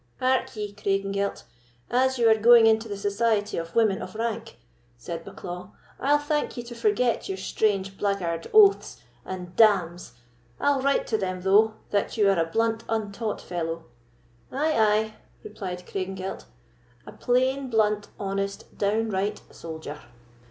"Hark ye, Craigengelt; as you are going into the society of women of rank," said Bucklaw, "I'll thank you to forget your strange blackguard oaths and 'damme's.' I'll write to them, though, that you are a blunt, untaught fellow." "Ay, ay," replied Craigengelt—"a plain, blunt, honest, downright soldier."